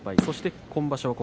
そして今場所